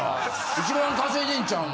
一番稼いでんちゃうの？